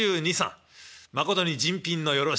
まことに人品のよろしい方で。